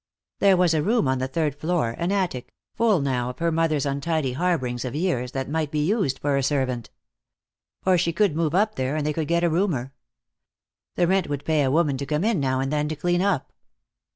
There was a room on the third floor, an attic, full now of her mother's untidy harborings of years, that might be used for a servant. Or she could move up there, and they could get a roomer. The rent would pay a woman to come in now and then to clean up.